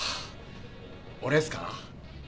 俺っすか？